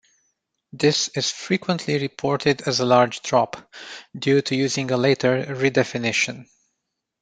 This is frequently reported as a large drop, due to using a later redefinition.